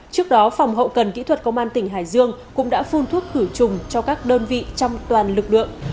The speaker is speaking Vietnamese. trước đó phòng hậu cần kỹ thuật công an tỉnh hải dương cũng đã phun thuốc khử trùng cho các đơn vị trong toàn lực lượng